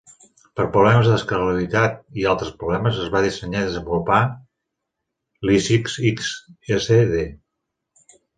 Per problemes d'escalabilitat i altres problemes, es va dissenyar i desenvolupar l'sixxsd.